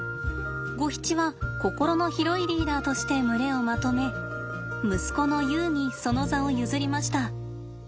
ゴヒチは心の広いリーダーとして群れをまとめ息子のユウにその座を譲りました。